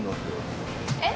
えっ？